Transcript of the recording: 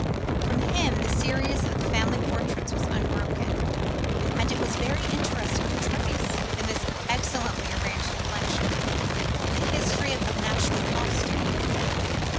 From him the series of family portraits was unbroken; and it was very interesting to trace, in this excellently arranged collection, the history of national costume.